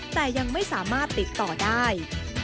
แต่ยังไม่สามารถติดต่อได้